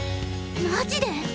マジで？